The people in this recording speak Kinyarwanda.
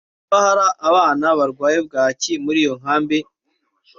Kuba hari abana barwaye bwaki muri iyo nkambi